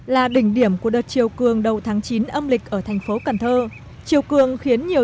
là đỉnh điểm của đợt chiều cường đầu tháng chín âm lịch ở thành phố cần thơ chiều cường khiến nhiều